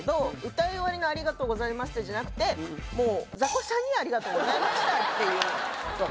歌い終わりのありがとうございますっていうんじゃなくてもうザコシさんにありがとうございましたっていうさあ